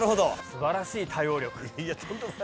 すばらしい対応力。